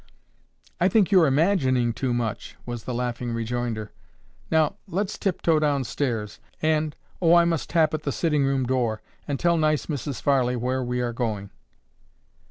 "I think you're imagining too much," was the laughing rejoinder. "Now, let's tiptoe downstairs, and oh, I must tap at the sitting room door and tell nice Mrs. Farley where we are going."